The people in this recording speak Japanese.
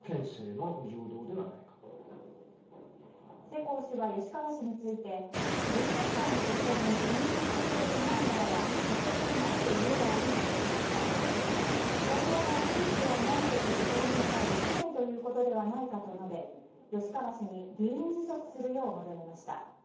世耕氏は吉川氏について１８歳の女性に飲酒させていないならばさせていないと言えばいいと指摘したうえで報道が事実ではないという証明ができないということではないかと述べ吉川氏に議員辞職するよう求めました。